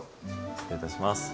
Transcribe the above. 失礼いたします。